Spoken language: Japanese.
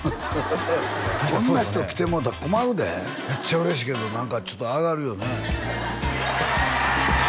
確かにそうですよねこんな人来てもろうたら困るでめっちゃ嬉しいけど何かちょっとあがるよね